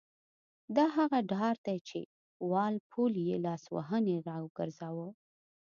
دا هغه ډار دی چې وال پول یې له لاسوهنې را وګرځاوه.